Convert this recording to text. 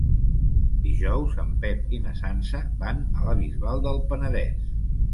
Dijous en Pep i na Sança van a la Bisbal del Penedès.